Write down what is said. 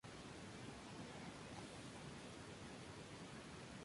Una serie de pequeños cráteres atraviesan los sectores este y suroeste del borde circular.